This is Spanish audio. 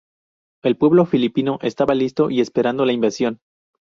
El pueblo filipino estaba listo y esperando la invasión.